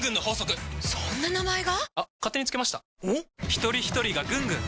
ひとりひとりがぐんぐん！